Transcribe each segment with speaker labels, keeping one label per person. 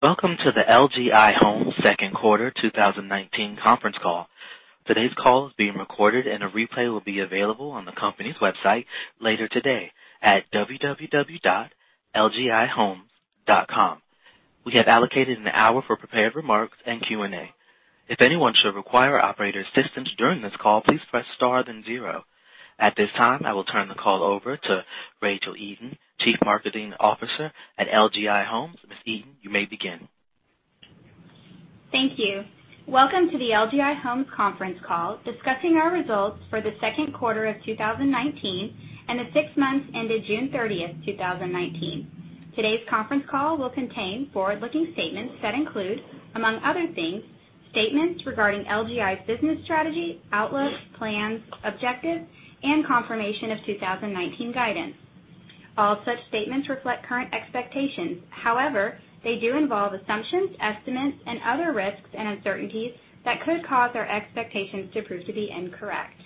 Speaker 1: Welcome to the LGI Homes second quarter 2019 conference call. Today's call is being recorded, and a replay will be available on the company's website later today at www.lgihomes.com. We have allocated an hour for prepared remarks and Q&A. If anyone should require operator assistance during this call, please press star then zero. At this time, I will turn the call over to Rachel Eaton, Chief Marketing Officer at LGI Homes. Ms. Eaton, you may begin.
Speaker 2: Thank you. Welcome to the LGI Homes conference call, discussing our results for the second quarter of 2019 and the six months ended June 30th, 2019. Today's conference call will contain forward-looking statements that include, among other things, statements regarding LGI's business strategy, outlooks, plans, objectives, and confirmation of 2019 guidance. All such statements reflect current expectations. However, they do involve assumptions, estimates, and other risks and uncertainties that could cause our expectations to prove to be incorrect.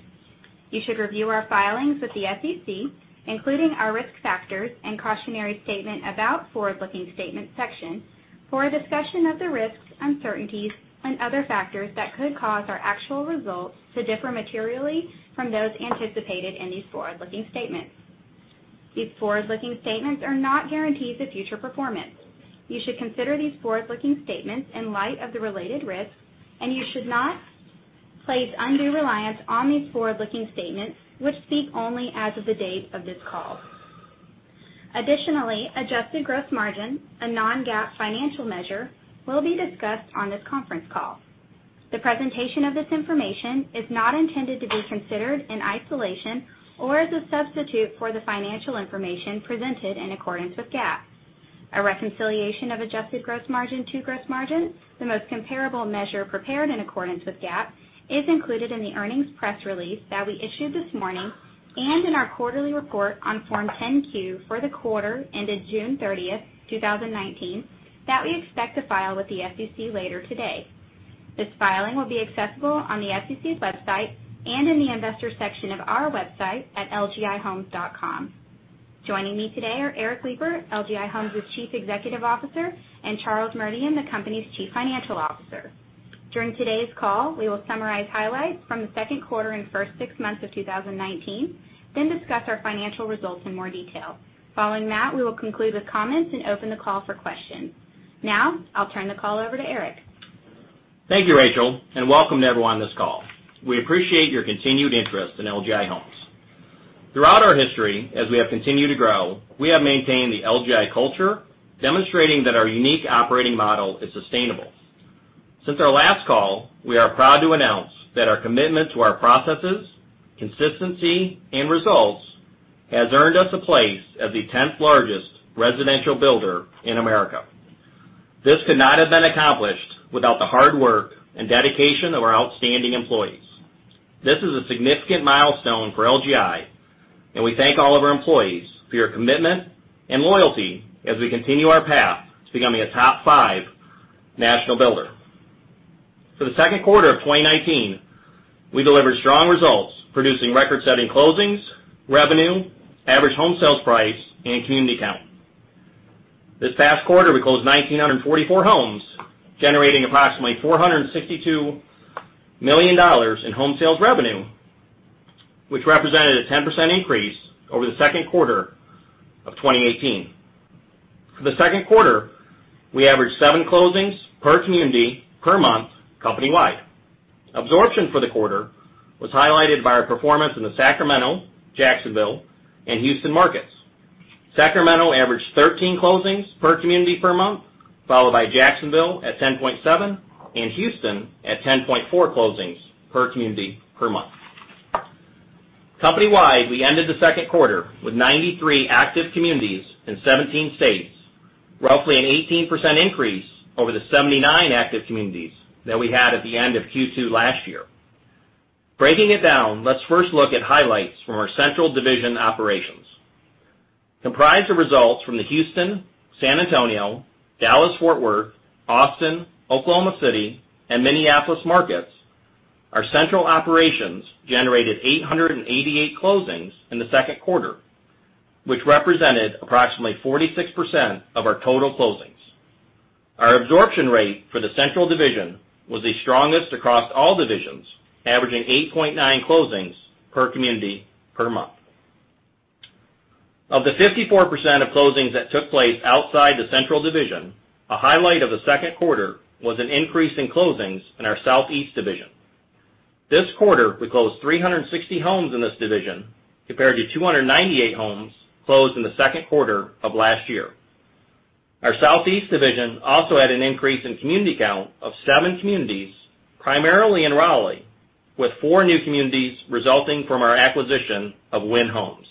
Speaker 2: You should review our filings with the SEC, including our risk factors and cautionary statement about forward-looking statements section, for a discussion of the risks, uncertainties, and other factors that could cause our actual results to differ materially from those anticipated in these forward-looking statements. These forward-looking statements are not guarantees of future performance. You should consider these forward-looking statements in light of the related risks, and you should not place undue reliance on these forward-looking statements, which speak only as of the date of this call. Additionally, adjusted gross margin, a non-GAAP financial measure, will be discussed on this conference call. The presentation of this information is not intended to be considered in isolation or as a substitute for the financial information presented in accordance with GAAP. A reconciliation of adjusted gross margin to gross margin, the most comparable measure prepared in accordance with GAAP, is included in the earnings press release that we issued this morning and in our quarterly report on Form 10-Q for the quarter ended June 30th, 2019, that we expect to file with the SEC later today. This filing will be accessible on the SEC's website and in the investors section of our website at lgihomes.com. Joining me today are Eric Lipar, LGI Homes' Chief Executive Officer, and Charles Merdian, the company's Chief Financial Officer. During today's call, we will summarize highlights from the second quarter and first six months of 2019, then discuss our financial results in more detail. Following that, we will conclude with comments and open the call for questions. Now, I'll turn the call over to Eric.
Speaker 3: Thank you, Rachel, and welcome to everyone on this call. We appreciate your continued interest in LGI Homes. Throughout our history, as we have continued to grow, we have maintained the LGI culture, demonstrating that our unique operating model is sustainable. Since our last call, we are proud to announce that our commitment to our processes, consistency, and results has earned us a place as the 10th largest residential builder in America. This could not have been accomplished without the hard work and dedication of our outstanding employees. This is a significant milestone for LGI, and we thank all of our employees for your commitment and loyalty as we continue our path to becoming a top five national builder. For the second quarter of 2019, we delivered strong results, producing record-setting closings, revenue, average home sales price, and community count. This past quarter, we closed 1,944 homes, generating approximately $462 million in home sales revenue, which represented a 10% increase over the second quarter of 2018. For the second quarter, we averaged seven closings per community per month company-wide. Absorption for the quarter was highlighted by our performance in the Sacramento, Jacksonville, and Houston markets. Sacramento averaged 13 closings per community per month, followed by Jacksonville at 10.7 and Houston at 10.4 closings per community per month. Company-wide, we ended the second quarter with 93 active communities in 17 states, roughly an 18% increase over the 79 active communities that we had at the end of Q2 last year. Breaking it down, let's first look at highlights from our central division operations. Comprised of results from the Houston, San Antonio, Dallas Fort Worth, Austin, Oklahoma City, and Minneapolis markets, our central operations generated 888 closings in the second quarter, which represented approximately 46% of our total closings. Our absorption rate for the central division was the strongest across all divisions, averaging 8.9 closings per community per month. Of the 54% of closings that took place outside the central division, a highlight of the second quarter was an increase in closings in our southeast division. This quarter, we closed 360 homes in this division, compared to 298 homes closed in the second quarter of last year. Our southeast division also had an increase in community count of seven communities, primarily in Raleigh, with four new communities resulting from our acquisition of Wynn Homes.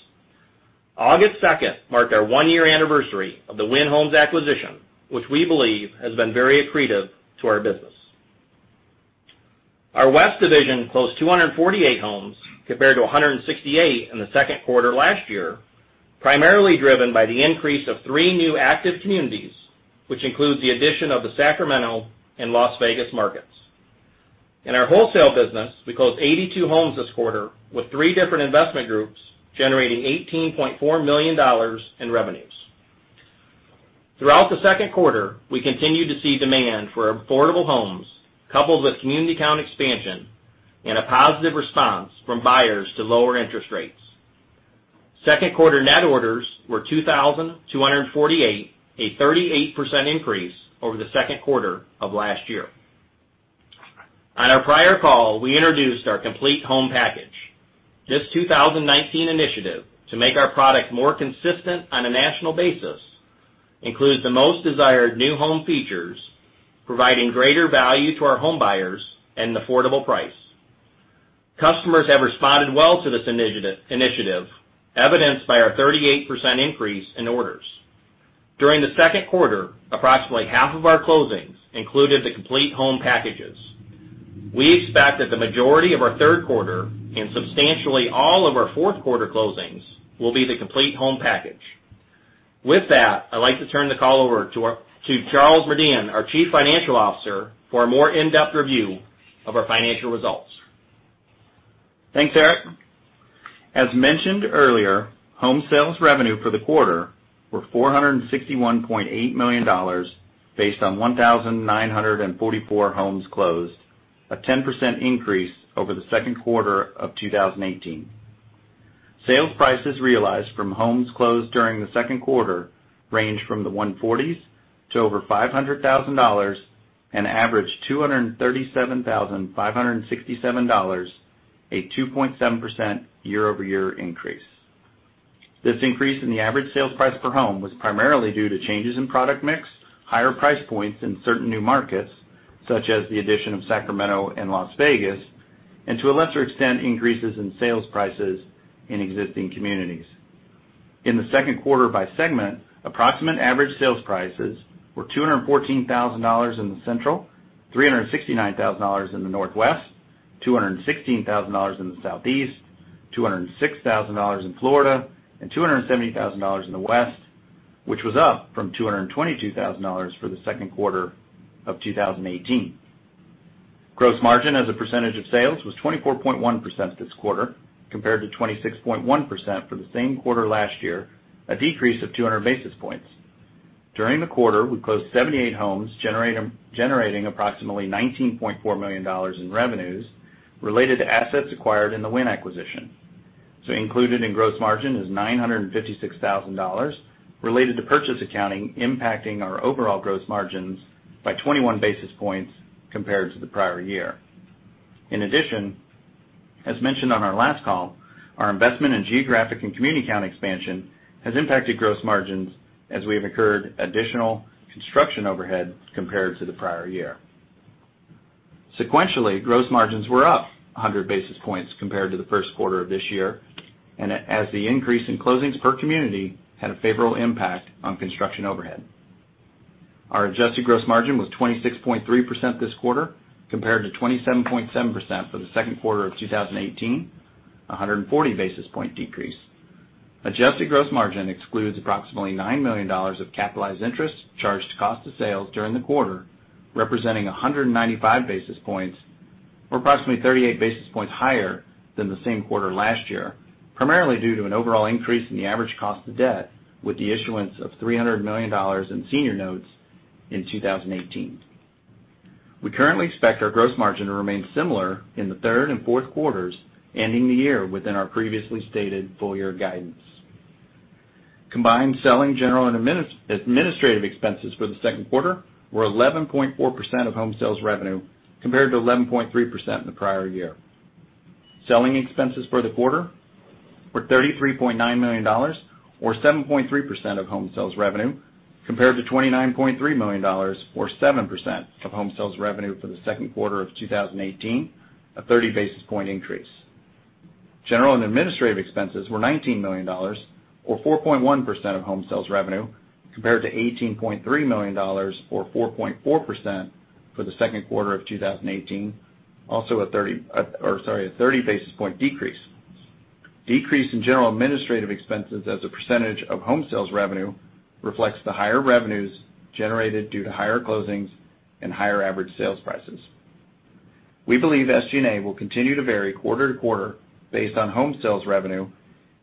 Speaker 3: August 2nd marked our one-year anniversary of the Wynn Homes acquisition, which we believe has been very accretive to our business. Our west division closed 248 homes compared to 168 in the second quarter last year, primarily driven by the increase of three new active communities, which include the addition of the Sacramento and Las Vegas markets. In our wholesale business, we closed 82 homes this quarter with three different investment groups, generating $18.4 million in revenues. Throughout the second quarter, we continued to see demand for affordable homes, coupled with community count expansion and a positive response from buyers to lower interest rates. Second quarter net orders were 2,248, a 38% increase over the second quarter of last year. On our prior call, we introduced our complete home package. This 2019 initiative to make our product more consistent on a national basis includes the most desired new home features, providing greater value to our home buyers at an affordable price. Customers have responded well to this initiative, evidenced by our 38% increase in orders. During the second quarter, approximately half of our closings included the CompleteHome packages. We expect that the majority of our third quarter, and substantially all of our fourth quarter closings, will be the CompleteHome package. With that, I'd like to turn the call over to Charles Merdian, our Chief Financial Officer, for a more in-depth review of our financial results.
Speaker 4: Thanks, Eric. As mentioned earlier, home sales revenue for the quarter were $461.8 million based on 1,944 homes closed, a 10% increase over the second quarter of 2018. Sales prices realized from homes closed during the second quarter range from the 140s to over $500,000, and averaged $237,567, a 2.7% year-over-year increase. This increase in the average sales price per home was primarily due to changes in product mix, higher price points in certain new markets, such as the addition of Sacramento and Las Vegas, and to a lesser extent, increases in sales prices in existing communities. In the second quarter by segment, approximate average sales prices were $214,000 in the central, $369,000 in the Northwest, $216,000 in the Southeast, $206,000 in Florida, and $270,000 in the West, which was up from $222,000 for the second quarter of 2018. Gross margin as a percentage of sales was 24.1% this quarter, compared to 26.1% for the same quarter last year, a decrease of 200 basis points. During the quarter, we closed 78 homes, generating approximately $19.4 million in revenues related to assets acquired in the Wynn acquisition. Included in gross margin is $956,000 related to purchase accounting, impacting our overall gross margins by 21 basis points compared to the prior year. In addition, as mentioned on our last call, our investment in geographic and community count expansion has impacted gross margins as we have incurred additional construction overhead compared to the prior year. Sequentially, gross margins were up 100 basis points compared to the first quarter of this year, as the increase in closings per community had a favorable impact on construction overhead. Our adjusted gross margin was 26.3% this quarter, compared to 27.7% for the second quarter of 2018, a 140 basis point decrease. Adjusted gross margin excludes approximately $9 million of capitalized interest charged to cost of sales during the quarter, representing 195 basis points or approximately 38 basis points higher than the same quarter last year. Primarily due to an overall increase in the average cost of debt with the issuance of $300 million in senior notes in 2018. We currently expect our gross margin to remain similar in the third and fourth quarters, ending the year within our previously stated full year guidance. Combined selling, general and administrative expenses for the second quarter were 11.4% of home sales revenue, compared to 11.3% in the prior year. Selling expenses for the quarter were $33.9 million or 7.3% of home sales revenue, compared to $29.3 million or 7% of home sales revenue for the second quarter of 2018, a 30 basis point increase. General and administrative expenses were $19 million or 4.1% of home sales revenue, compared to $18.3 million or 4.4% for the second quarter of 2018. A 30 basis point decrease. Decrease in general and administrative expenses as a percentage of home sales revenue reflects the higher revenues generated due to higher closings and higher average sales prices. We believe SG&A will continue to vary quarter to quarter based on home sales revenue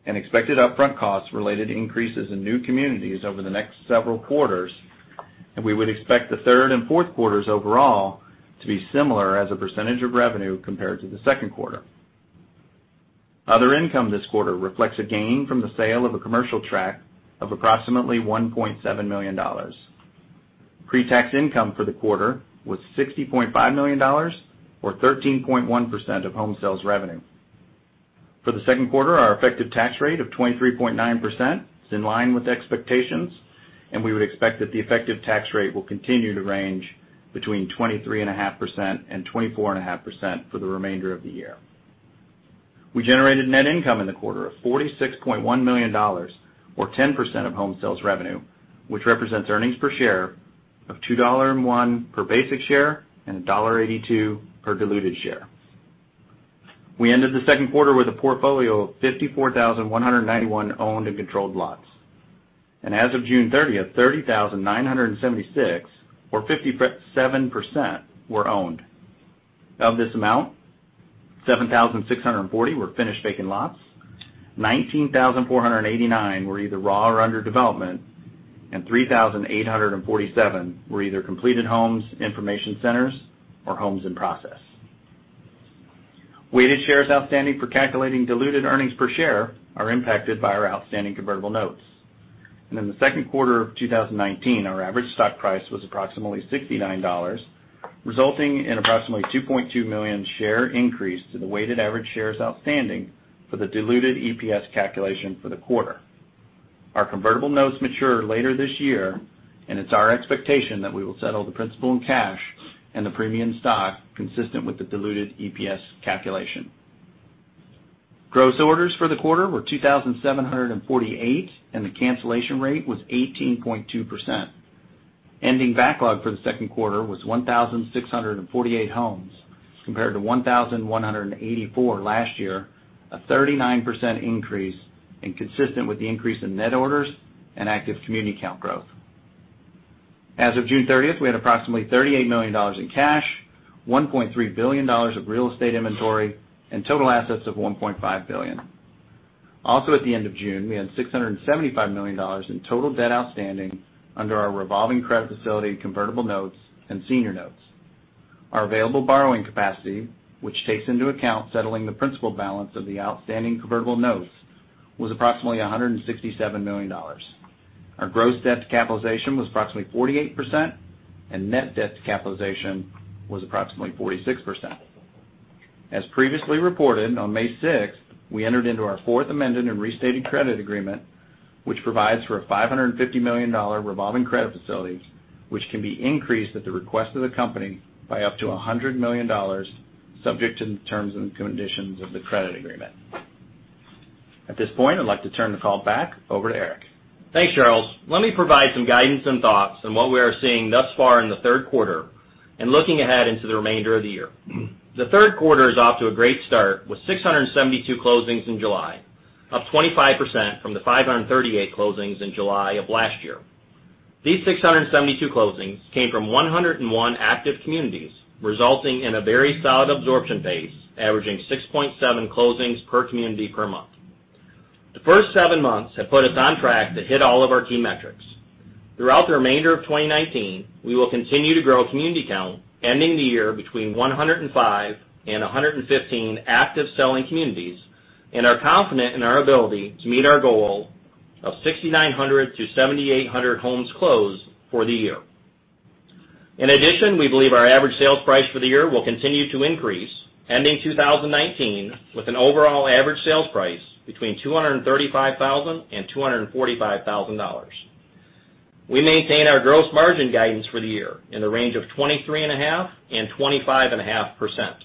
Speaker 4: and expected upfront costs related to increases in new communities over the next several quarters, and we would expect the third and fourth quarters overall to be similar as a percentage of revenue compared to the second quarter. Other income this quarter reflects a gain from the sale of a commercial track of approximately $1.7 million. Pre-tax income for the quarter was $60.5 million or 13.1% of home sales revenue. For the second quarter, our effective tax rate of 23.9% is in line with expectations, and we would expect that the effective tax rate will continue to range between 23.5%-24.5% for the remainder of the year. We generated net income in the quarter of $46.1 million or 10% of home sales revenue, which represents earnings per share of $2.1 per basic share and $1.82 per diluted share. We ended the second quarter with a portfolio of 54,191 owned and controlled lots. As of June 30th, 30,976 or 57% were owned. Of this amount, 7,640 were finished vacant lots, 19,489 were either raw or under development, and 3,847 were either completed homes, information centers, or homes in process. Weighted shares outstanding for calculating diluted earnings per share are impacted by our outstanding convertible notes. In the second quarter of 2019, our average stock price was approximately $69, resulting in approximately 2.2 million share increase to the weighted average shares outstanding for the diluted EPS calculation for the quarter. Our convertible notes mature later this year, and it's our expectation that we will settle the principal in cash and the premium stock consistent with the diluted EPS calculation. Gross orders for the quarter were 2,748, and the cancellation rate was 18.2%. Ending backlog for the second quarter was 1,648 homes compared to 1,184 last year, a 39% increase and consistent with the increase in net orders and active community count growth. As of June 30th, we had approximately $38 million in cash, $1.3 billion of real estate inventory, and total assets of $1.5 billion. At the end of June, we had $675 million in total debt outstanding under our revolving credit facility, convertible notes, and senior notes. Our available borrowing capacity, which takes into account settling the principal balance of the outstanding convertible notes, was approximately $167 million. Our gross debt to capitalization was approximately 48%, and net debt to capitalization was approximately 46%. Previously reported, on May 6th, we entered into our fourth amended and restated credit agreement, which provides for a $550 million revolving credit facility, which can be increased at the request of the company by up to $100 million, subject to the terms and conditions of the credit agreement. At this point, I'd like to turn the call back over to Eric.
Speaker 3: Thanks, Charles. Let me provide some guidance and thoughts on what we are seeing thus far in the third quarter and looking ahead into the remainder of the year. The third quarter is off to a great start with 672 closings in July, up 25% from the 538 closings in July of last year. These 672 closings came from 101 active communities, resulting in a very solid absorption base, averaging 6.7 closings per community per month. The first seven months have put us on track to hit all of our key metrics. Throughout the remainder of 2019, we will continue to grow community count ending the year between 105 and 115 active selling communities and are confident in our ability to meet our goal of 6,900 to 7,800 homes closed for the year. In addition, we believe our average sales price for the year will continue to increase, ending 2019 with an overall average sales price between $235,000 and $245,000. We maintain our gross margin guidance for the year in the range of 23.5%-25.5%.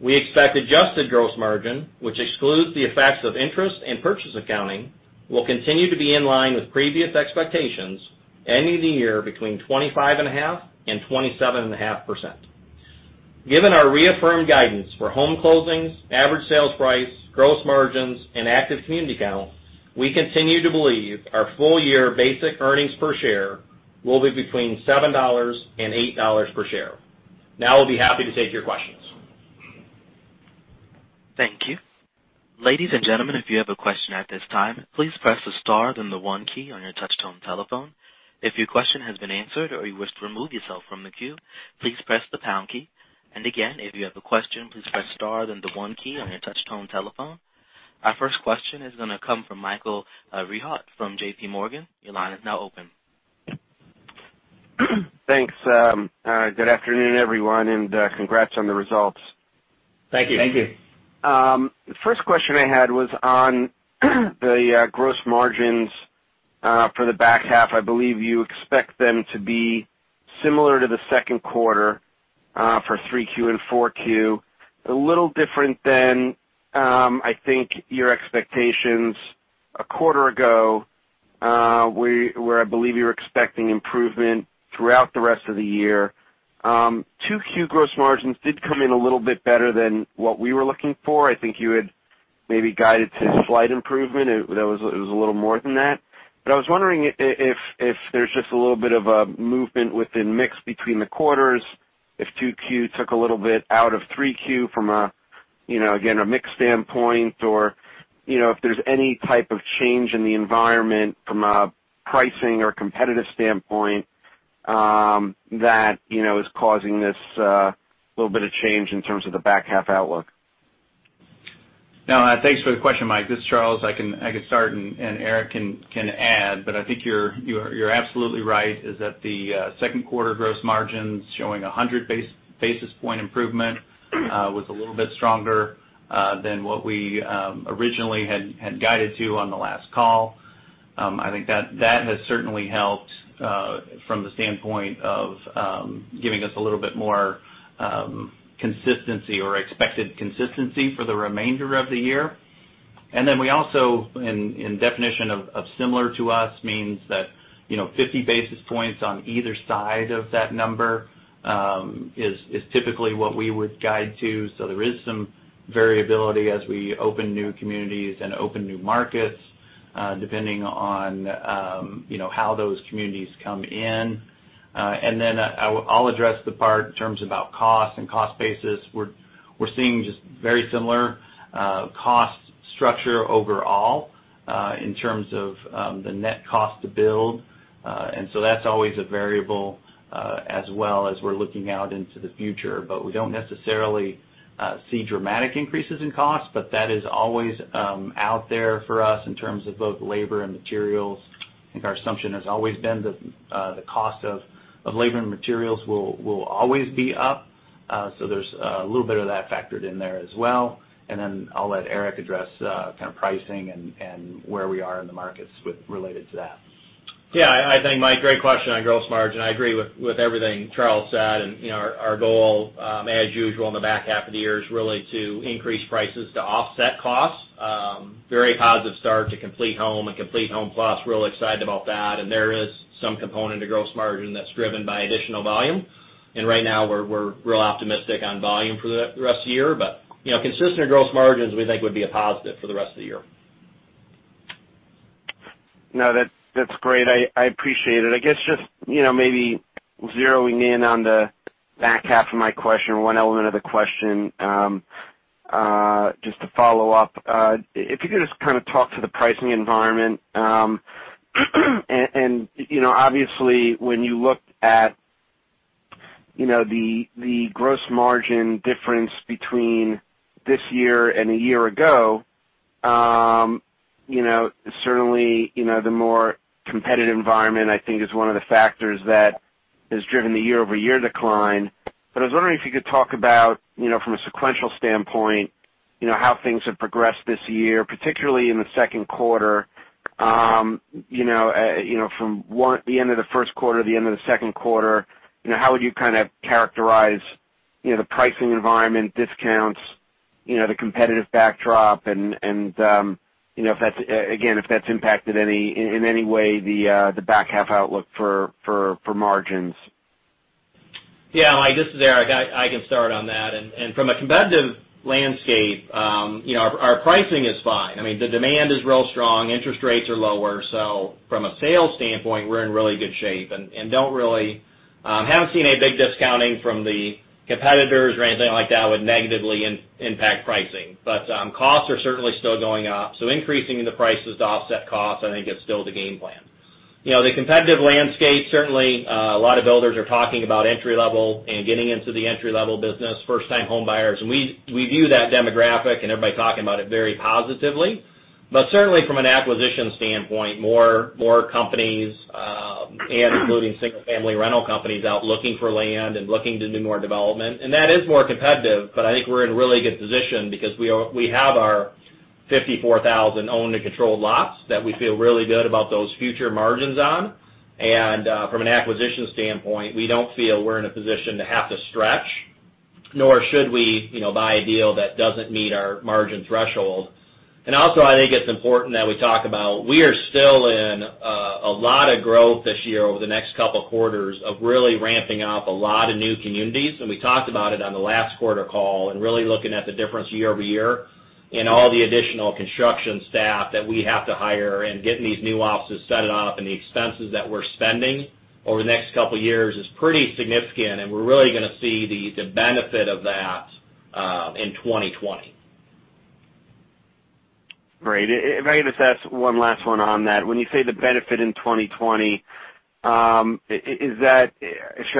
Speaker 3: We expect adjusted gross margin, which excludes the effects of interest and purchase accounting, will continue to be in line with previous expectations ending the year between 25.5% and 27.5%. Given our reaffirmed guidance for home closings, average sales price, gross margins, and active community count, we continue to believe our full-year basic earnings per share will be between $7 and $8 per share. Now, we'll be happy to take your questions.
Speaker 1: Thank you. Ladies and gentlemen, if you have a question at this time, please press the star then the one key on your touch-tone telephone. If your question has been answered or you wish to remove yourself from the queue, please press the pound key. Again, if you have a question, please press star then the one key on your touch-tone telephone. Our first question is going to come from Michael Rehaut from JPMorgan. Your line is now open.
Speaker 5: Thanks. Good afternoon, everyone, and congrats on the results.
Speaker 3: Thank you.
Speaker 4: Thank you.
Speaker 5: First question I had was on the gross margins for the back half. I believe you expect them to be similar to the second quarter for three Q and four Q. A little different than, I think, your expectations a quarter ago, where I believe you were expecting improvement throughout the rest of the year. Two Q gross margins did come in a little bit better than what we were looking for. I think you had maybe guided to slight improvement. It was a little more than that. I was wondering if there's just a little bit of a movement within mix between the quarters, if two Q took a little bit out of three Q from, again, a mix standpoint or if there's any type of change in the environment from a pricing or competitive standpoint that is causing this little bit of change in terms of the back-half outlook.
Speaker 4: Thanks for the question, Mike. This is Charles. I can start, and Eric can add, but I think you're absolutely right, is that the second quarter gross margin showing 100 basis point improvement was a little bit stronger than what we originally had guided to on the last call. I think that has certainly helped from the standpoint of giving us a little bit more consistency or expected consistency for the remainder of the year. We also, in definition of similar to us, means that 50 basis points on either side of that number, is typically what we would guide to. There is some variability as we open new communities and open new markets, depending on how those communities come in. I'll address the part in terms about cost and cost basis. We're seeing just very similar cost structure overall, in terms of the net cost to build. That's always a variable, as well as we're looking out into the future. We don't necessarily see dramatic increases in cost, but that is always out there for us in terms of both labor and materials. I think our assumption has always been that the cost of labor and materials will always be up. There's a little bit of that factored in there as well. I'll let Eric address pricing and where we are in the markets related to that.
Speaker 3: Yeah, I think, Mike, great question on gross margin. I agree with everything Charles said, our goal, as usual, in the back half of the year is really to increase prices to offset costs. Very positive start to CompleteHome and CompleteHome Plus. Real excited about that. There is some component to gross margin that's driven by additional volume. Right now we're real optimistic on volume for the rest of the year. Consistent gross margins, we think, would be a positive for the rest of the year.
Speaker 5: No, that's great. I appreciate it. I guess just maybe zeroing in on the back half of my question, one element of the question, just to follow up. If you could just talk to the pricing environment, obviously when you look at the gross margin difference between this year and a year ago, certainly, the more competitive environment, I think, is one of the factors that has driven the year-over-year decline. I was wondering if you could talk about, from a sequential standpoint, how things have progressed this year, particularly in the second quarter. From the end of the first quarter to the end of the second quarter, how would you characterize the pricing environment discounts, the competitive backdrop, and if that's, again, impacted in any way the back half outlook for margins?
Speaker 3: Yeah, Mike, this is Eric. I can start on that. From a competitive landscape, our pricing is fine. The demand is real strong. Interest rates are lower. From a sales standpoint, we're in really good shape and haven't seen any big discounting from the competitors or anything like that would negatively impact pricing. Costs are certainly still going up. Increasing the prices to offset costs, I think, is still the game plan. The competitive landscape, certainly, a lot of builders are talking about entry level and getting into the entry-level business, first-time home buyers. We view that demographic, and everybody talking about it very positively. Certainly from an acquisition standpoint, more companies, including single-family rental companies out looking for land and looking to do more development. That is more competitive, but I think we're in a really good position because we have our 54,000 owned and controlled lots that we feel really good about those future margins on. From an acquisition standpoint, we don't feel we're in a position to have to stretch, nor should we buy a deal that doesn't meet our margin threshold. Also, I think it's important that we talk about, we are still in a lot of growth this year over the next couple quarters of really ramping up a lot of new communities. We talked about it on the last quarter call, really looking at the difference year-over-year, all the additional construction staff that we have to hire and getting these new offices set up and the expenses that we're spending over the next couple of years is pretty significant, we're really going to see the benefit of that in 2020.
Speaker 5: Great. If I could just ask one last one on that. When you say the benefit in 2020, should I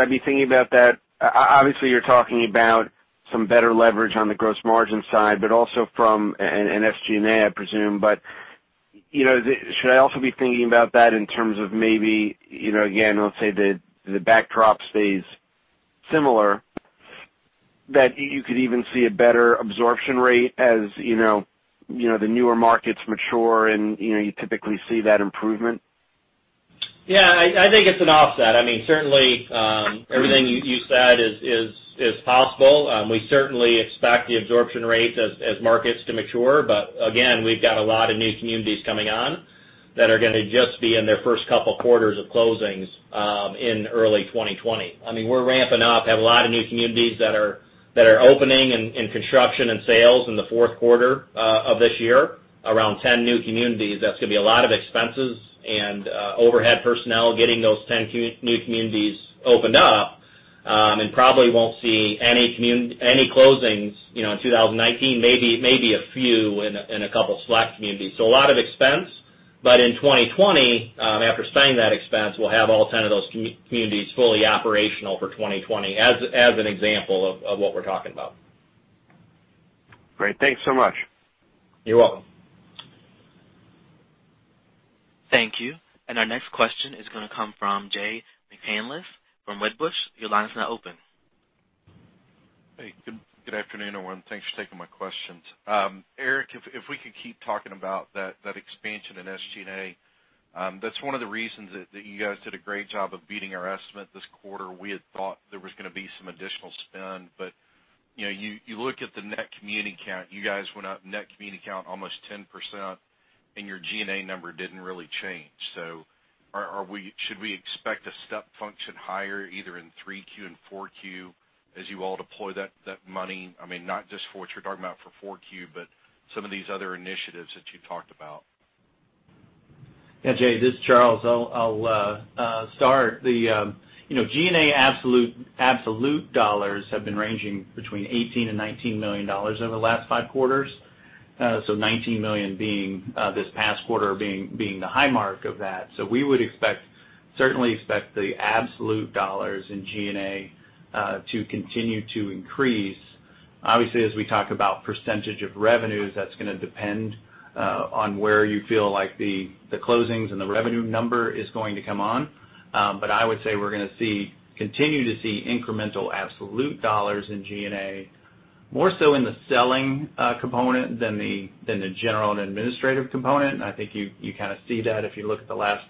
Speaker 5: be thinking about that Obviously you're talking about some better leverage on the gross margin side, also from an SG&A, I presume. Should I also be thinking about that in terms of maybe, again, let's say the backdrop stays similar, that you could even see a better absorption rate as the newer markets mature and you typically see that improvement?
Speaker 3: Yeah, I think it's an offset. Certainly, everything you said is possible. We certainly expect the absorption rates as markets to mature. Again, we've got a lot of new communities coming on that are going to just be in their first couple quarters of closings in early 2020. We're ramping up, have a lot of new communities that are opening in construction and sales in the fourth quarter of this year, around 10 new communities. That's going to be a lot of expenses and overhead personnel getting those 10 new communities opened up. Probably won't see any closings in 2019, maybe a few in a couple select communities. A lot of expense, but in 2020, after signing that expense, we'll have all 10 of those communities fully operational for 2020, as an example of what we're talking about.
Speaker 5: Great. Thanks so much.
Speaker 3: You're welcome.
Speaker 1: Thank you. Our next question is going to come from Jay McCanless from Wedbush. Your line is now open.
Speaker 6: Hey, good afternoon, everyone. Thanks for taking my questions. Eric, if we could keep talking about that expansion in SG&A That's one of the reasons that you guys did a great job of beating our estimate this quarter. We had thought there was going to be some additional spend, but you look at the net community count. You guys went up net community count almost 10%, and your G&A number didn't really change. Should we expect a step function higher, either in 3Q and 4Q, as you all deploy that money, not just for what you're talking about for 4Q, but some of these other initiatives that you've talked about?
Speaker 4: Yeah, Jay, this is Charles. I'll start. The G&A absolute dollars have been ranging between $18 million and $19 million over the last five quarters. $19 million this past quarter being the high mark of that. We would certainly expect the absolute dollars in G&A to continue to increase. Obviously, as we talk about percentage of revenues, that's going to depend on where you feel like the closings and the revenue number is going to come on. I would say we're going to continue to see incremental absolute dollars in G&A, more so in the selling component than the general and administrative component. I think you kind of see that if you look at the last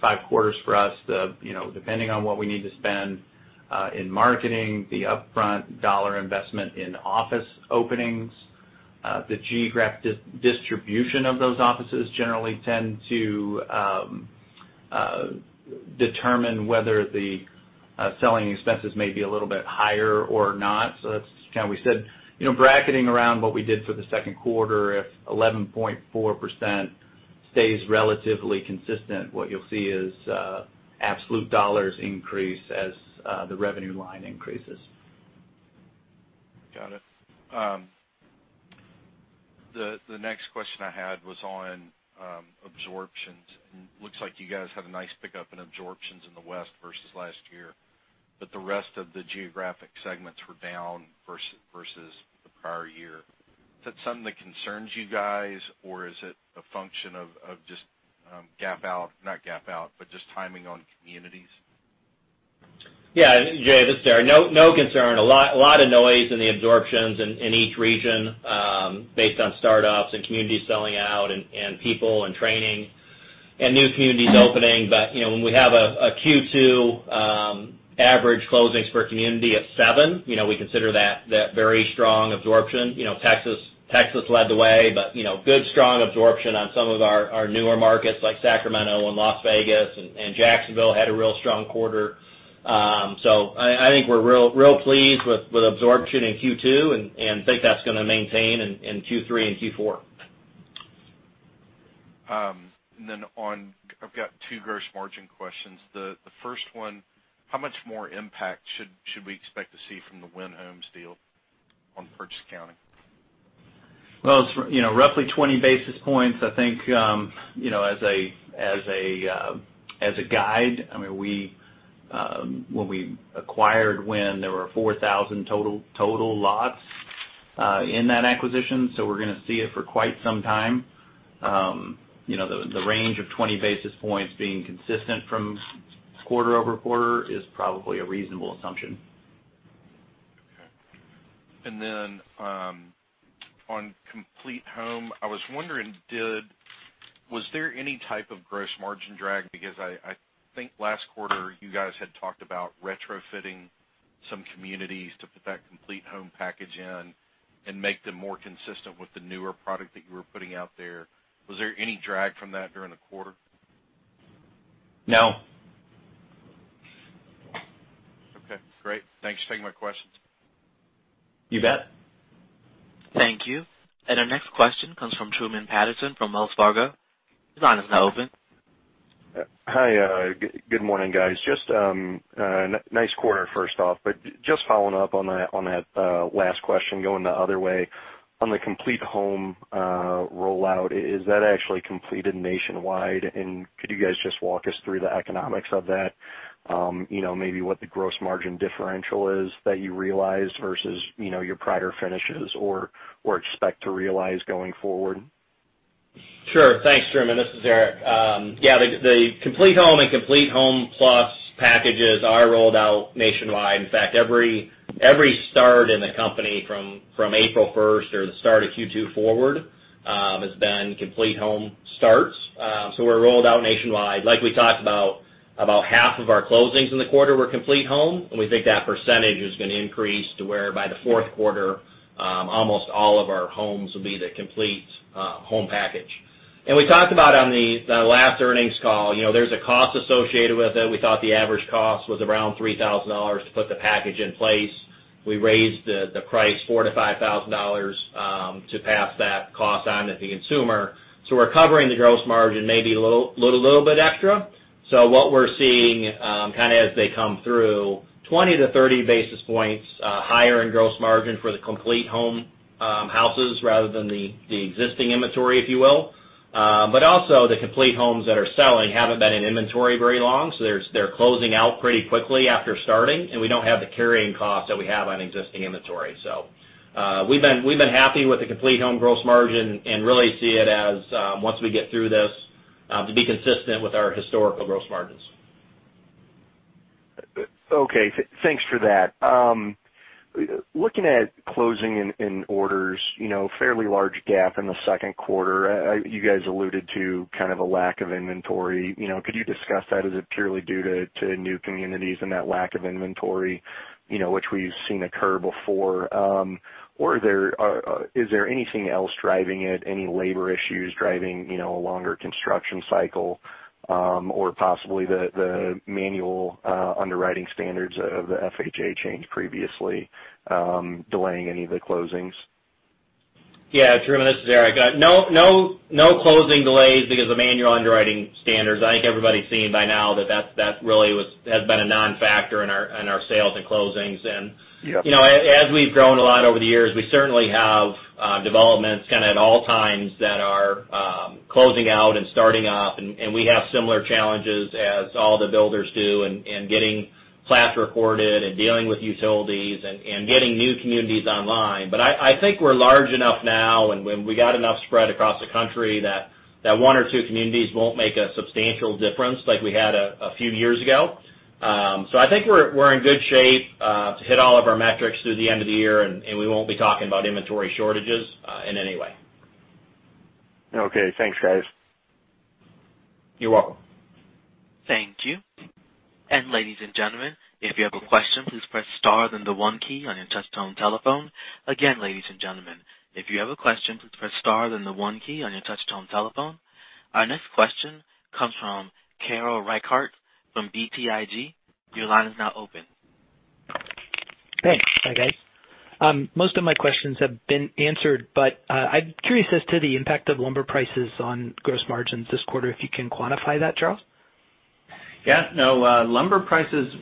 Speaker 4: five quarters for us, depending on what we need to spend in marketing, the upfront dollar investment in office openings. The geographic distribution of those offices generally tend to determine whether the selling expenses may be a little bit higher or not. That's kind of we said. Bracketing around what we did for the 2Q, if 11.4% stays relatively consistent, what you'll see is absolute dollars increase as the revenue line increases.
Speaker 6: Got it. The next question I had was on absorptions. Looks like you guys had a nice pickup in absorptions in the West versus last year, but the rest of the geographic segments were down versus the prior year. Is that something that concerns you guys, or is it a function of just gap out, not gap out, but just timing on communities?
Speaker 3: Yeah. Jay, this is Eric. No concern. A lot of noise in the absorptions in each region based on startups and communities selling out and people and training and new communities opening. When we have a Q2 average closings per community of seven, we consider that very strong absorption. Texas led the way, but good strong absorption on some of our newer markets like Sacramento and Las Vegas, and Jacksonville had a real strong quarter. I think we're real pleased with absorption in Q2 and think that's going to maintain in Q3 and Q4.
Speaker 6: I've got two gross margin questions. The first one, how much more impact should we expect to see from the Wynn Homes deal on purchase accounting?
Speaker 4: Well, roughly 20 basis points, I think, as a guide. When we acquired Wynn, there were 4,000 total lots in that acquisition, we're going to see it for quite some time. The range of 20 basis points being consistent from quarter-over-quarter is probably a reasonable assumption.
Speaker 6: Okay. Then on CompleteHome, I was wondering, was there any type of gross margin drag? Because I think last quarter, you guys had talked about retrofitting some communities to put that CompleteHome package in and make them more consistent with the newer product that you were putting out there. Was there any drag from that during the quarter?
Speaker 3: No.
Speaker 6: Okay, great. Thanks for taking my questions.
Speaker 3: You bet.
Speaker 1: Thank you. Our next question comes from Truman Patterson from Wells Fargo. Your line is now open.
Speaker 7: Hi. Good morning, guys. Nice quarter, first off, but just following up on that last question, going the other way. On the CompleteHome rollout, is that actually completed nationwide, and could you guys just walk us through the economics of that? Maybe what the gross margin differential is that you realized versus your prior finishes or expect to realize going forward?
Speaker 3: Sure. Thanks, Truman. This is Eric. Yeah, the CompleteHome and CompleteHome Plus packages are rolled out nationwide. In fact, every start in the company from April 1st or the start of Q2 forward, has been CompleteHome starts. We're rolled out nationwide. Like we talked about half of our closings in the quarter were CompleteHome, and we think that percentage is going to increase to where by the fourth quarter, almost all of our homes will be the CompleteHome package. We talked about on the last earnings call, there's a cost associated with it. We thought the average cost was around $3,000 to put the package in place. We raised the price $4,000 to $5,000 to pass that cost on to the consumer. We're covering the gross margin, maybe a little bit extra. What we're seeing, kind of as they come through, 20 to 30 basis points higher in gross margin for the CompleteHome houses rather than the existing inventory, if you will. Also the CompleteHomes that are selling haven't been in inventory very long, they're closing out pretty quickly after starting, we don't have the carrying cost that we have on existing inventory. We've been happy with the CompleteHome gross margin and really see it as, once we get through this, to be consistent with our historical gross margins.
Speaker 7: Okay. Thanks for that. Looking at closing and orders, fairly large gap in the second quarter. You guys alluded to kind of a lack of inventory. Could you discuss that? Is it purely due to new communities and that lack of inventory, which we've seen occur before? Is there anything else driving it, any labor issues driving a longer construction cycle, or possibly the manual underwriting standards of the FHA change previously delaying any of the closings?
Speaker 3: Yeah, Truman, this is Eric. No closing delays because of manual underwriting standards. I think everybody's seen by now that really has been a non-factor in our sales and closings.
Speaker 7: Yep.
Speaker 3: As we've grown a lot over the years, we certainly have developments kind of at all times that are closing out and starting up, and we have similar challenges as all the builders do in getting plats recorded and dealing with utilities and getting new communities online. I think we're large enough now, and we got enough spread across the country that one or two communities won't make a substantial difference like we had a few years ago. I think we're in good shape to hit all of our metrics through the end of the year, and we won't be talking about inventory shortages in any way.
Speaker 7: Okay. Thanks, guys.
Speaker 3: You're welcome.
Speaker 1: Thank you. Ladies and gentlemen, if you have a question, please press star then the one key on your touch tone telephone. Again, ladies and gentlemen, if you have a question, please press star then the one key on your touch tone telephone. Our next question comes from Carl Reichardt from BTIG. Your line is now open.
Speaker 8: Thanks. Hi, guys. Most of my questions have been answered, but I am curious as to the impact of lumber prices on gross margins this quarter, if you can quantify that, Charles?
Speaker 4: Yeah, no. Lumber prices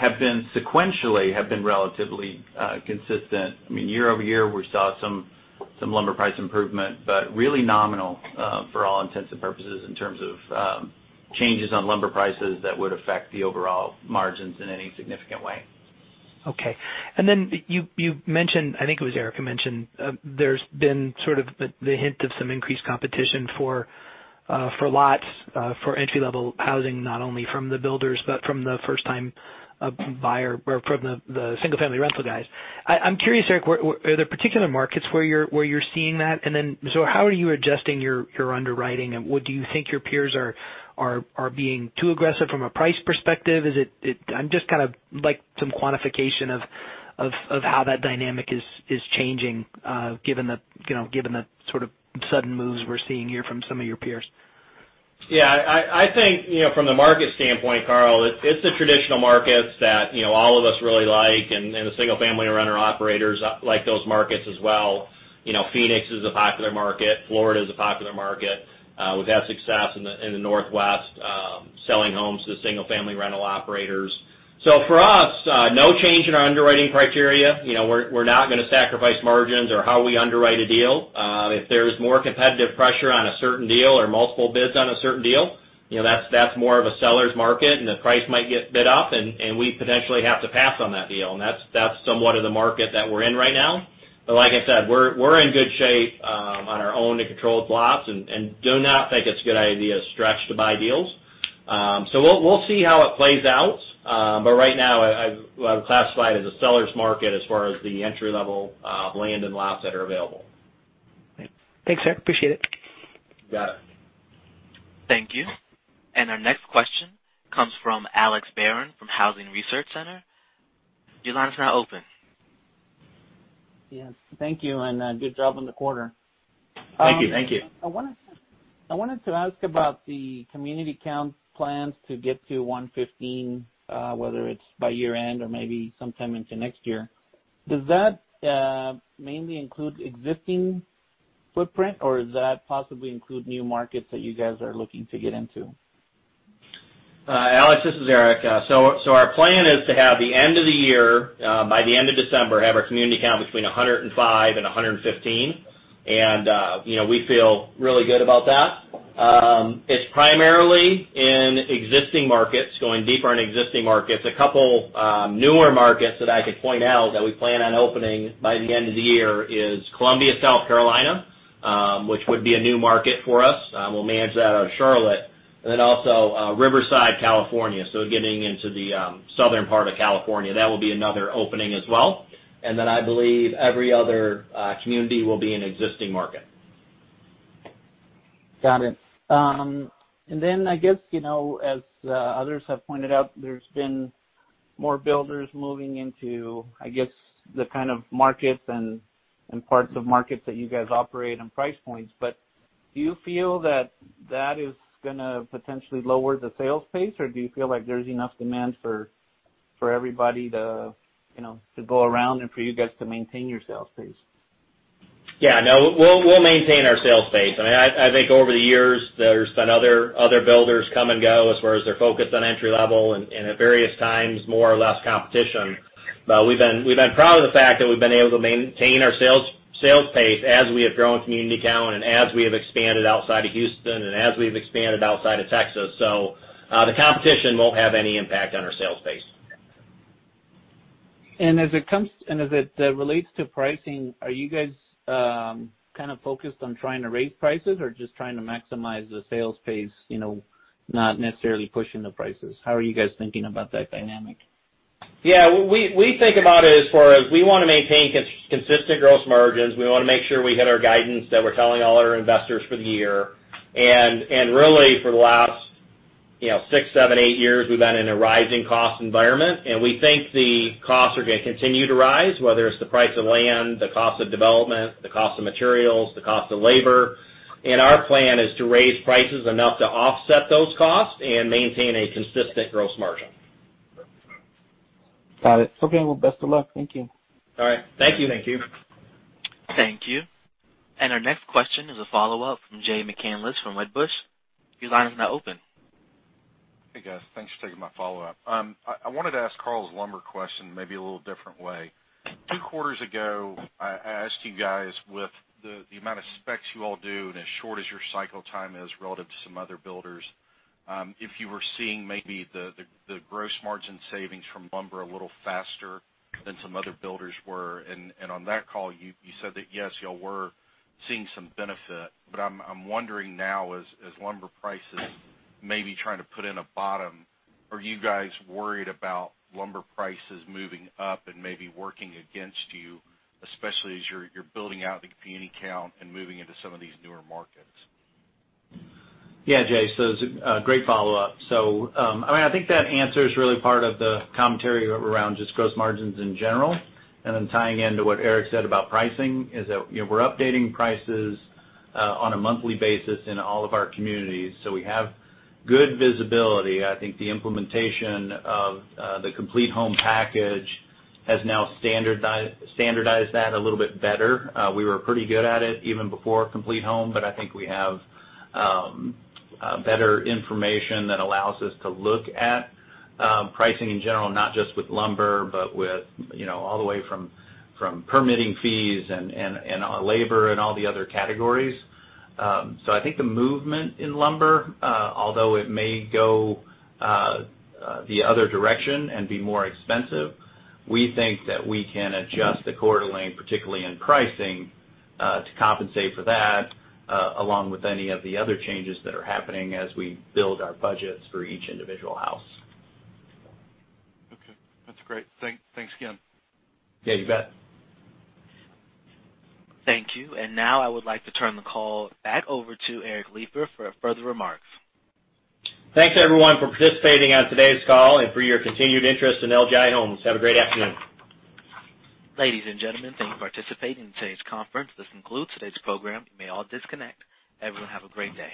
Speaker 4: sequentially have been relatively consistent. Year-over-year, we saw some lumber price improvement, but really nominal for all intents and purposes in terms of changes on lumber prices that would affect the overall margins in any significant way.
Speaker 8: Okay. You mentioned, I think it was Eric who mentioned, there has been sort of the hint of some increased competition for lots for entry-level housing, not only from the builders but from the first-time buyer or from the single-family rental guys. I am curious, Eric, are there particular markets where you are seeing that? How are you adjusting your underwriting, and do you think your peers are being too aggressive from a price perspective? I would just kind of like some quantification of how that dynamic is changing, given the sort of sudden moves we are seeing here from some of your peers.
Speaker 3: I think, from the market standpoint, Carl, it's the traditional markets that all of us really like, and the single-family renter operators like those markets as well. Phoenix is a popular market. Florida is a popular market. We've had success in the Northwest selling homes to single-family rental operators. For us, no change in our underwriting criteria. We're not going to sacrifice margins or how we underwrite a deal. If there's more competitive pressure on a certain deal or multiple bids on a certain deal, that's more of a seller's market, and the price might get bid up, and we potentially have to pass on that deal. That's somewhat of the market that we're in right now. Like I said, we're in good shape on our owned and controlled lots and do not think it's a good idea to stretch to buy deals. We'll see how it plays out. Right now, I would classify it as a seller's market as far as the entry-level land and lots that are available.
Speaker 8: Thanks, Eric. Appreciate it.
Speaker 3: You got it.
Speaker 1: Thank you. Our next question comes from Alex Barron from Housing Research Center. Your line is now open.
Speaker 9: Yes. Thank you, good job on the quarter.
Speaker 3: Thank you.
Speaker 9: I wanted to ask about the community count plans to get to 115, whether it's by year-end or maybe sometime into next year. Does that mainly include existing footprint, or does that possibly include new markets that you guys are looking to get into?
Speaker 3: Alex, this is Eric. Our plan is to have the end of the year, by the end of December, have our community count between 105 and 115, and we feel really good about that. It's primarily in existing markets, going deeper in existing markets. A couple newer markets that I could point out that we plan on opening by the end of the year is Columbia, South Carolina, which would be a new market for us. We'll manage that out of Charlotte. Also, Riverside, California. Getting into the southern part of California. That will be another opening as well. I believe every other community will be an existing market.
Speaker 9: Got it. I guess, as others have pointed out, there's been more builders moving into, I guess, the kind of markets and parts of markets that you guys operate and price points. Do you feel that that is going to potentially lower the sales pace, or do you feel like there's enough demand for everybody to go around and for you guys to maintain your sales pace?
Speaker 3: Yeah, no. We'll maintain our sales pace. I think over the years, there's been other builders come and go as far as their focus on entry level and at various times, more or less competition. We've been proud of the fact that we've been able to maintain our sales pace as we have grown community count and as we have expanded outside of Houston and as we've expanded outside of Texas. The competition won't have any impact on our sales pace.
Speaker 9: As it relates to pricing, are you guys focused on trying to raise prices or just trying to maximize the sales pace, not necessarily pushing the prices? How are you guys thinking about that dynamic?
Speaker 3: Yeah. We think about it as far as we want to maintain consistent gross margins. We want to make sure we hit our guidance that we're telling all our investors for the year. Really for the last six, seven, eight years, we've been in a rising cost environment, and we think the costs are going to continue to rise, whether it's the price of land, the cost of development, the cost of materials, the cost of labor. Our plan is to raise prices enough to offset those costs and maintain a consistent gross margin.
Speaker 9: Got it. Okay. Well, best of luck. Thank you.
Speaker 3: All right. Thank you.
Speaker 1: Thank you. Thank you. Our next question is a follow-up from Jay McCanless from Wedbush. Your line is now open.
Speaker 6: Hey, guys. Thanks for taking my follow-up. I wanted to ask Carl's lumber question maybe a little different way. Two quarters ago, I asked you guys with the amount of specs you all do and as short as your cycle time is relative to some other builders, if you were seeing maybe the gross margin savings from lumber a little faster than some other builders were. On that call, you said that, yes, you all were seeing some benefit, but I'm wondering now as lumber prices may be trying to put in a bottom, are you guys worried about lumber prices moving up and maybe working against you, especially as you're building out the community count and moving into some of these newer markets?
Speaker 4: Jay, it's a great follow-up. I think that answer is really part of the commentary around just gross margins in general, and then tying into what Eric said about pricing, is that we're updating prices on a monthly basis in all of our communities, so we have good visibility. I think the implementation of the CompleteHome package has now standardized that a little bit better. We were pretty good at it even before CompleteHome, but I think we have better information that allows us to look at pricing in general, not just with lumber, but all the way from permitting fees and labor and all the other categories. I think the movement in lumber, although it may go the other direction and be more expensive, we think that we can adjust accordingly, particularly in pricing, to compensate for that, along with any of the other changes that are happening as we build our budgets for each individual house.
Speaker 6: Okay. That's great. Thanks again.
Speaker 4: Yeah, you bet.
Speaker 1: Thank you. Now I would like to turn the call back over to Eric Lipar for further remarks. Thanks, everyone, for participating on today's call and for your continued interest in LGI Homes. Have a great afternoon. Ladies and gentlemen, thank you for participating in today's conference. This concludes today's program. You may all disconnect. Everyone have a great day.